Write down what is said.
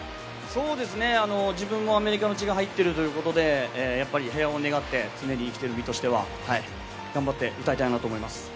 自分もアメリカの血が入っているということでやっぱり平和を願って常に生きている身としては頑張って歌いたいなと思います。